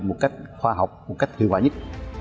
một cách khoa học một cách thiệu hỏa nhất